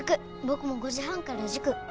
僕も５時半から塾。